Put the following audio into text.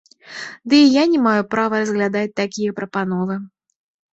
Ды і я не маю права разглядаць такія прапановы.